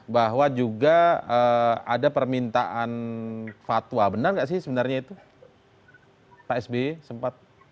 bahwa juga ada permintaan fatwa benar nggak sih sebenarnya itu pak sby sempat